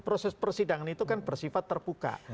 proses persidangan itu kan bersifat terbuka